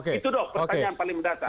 itu dong pertanyaan paling mendasar